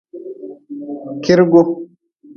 Kirgu.